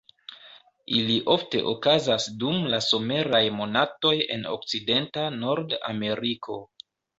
Ili ofte okazas dum la someraj monatoj en okcidenta Nord-Ameriko.